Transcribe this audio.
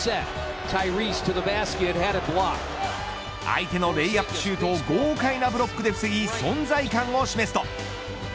相手のレイアップシュートを豪快なブロックで防ぎ存在感を示すと。